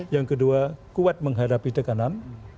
yang kedua kuat menghadapi tekanan